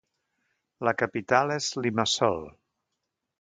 La capital és Limassol.